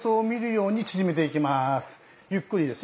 ゆっくりですよ。